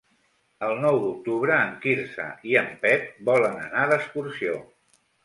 El nou d'octubre en Quirze i en Pep volen anar d'excursió.